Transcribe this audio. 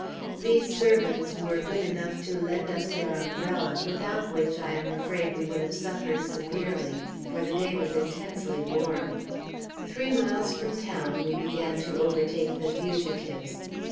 These servants were good enough to lend us their umbrella, without which I am afraid we would have suffered severely, for the day was intensely warm. Three miles from town we began to overtake the fugitives.